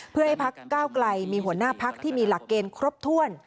เพื่อให้พักก้าวไกลมีหัวหน้าพักที่มีหลักเกณฑ์ครบถ้วน